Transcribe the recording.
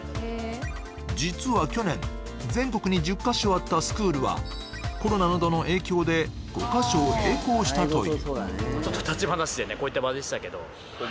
実は去年、全国に１０か所あったスクールはコロナなどの影響で５か所を閉校したという。